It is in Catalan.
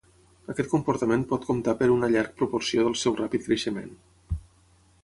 Aquest comportament pot comptar per una llarg proporció del seu ràpid creixement.